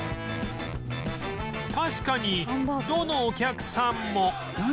確かにどのお客さんも何？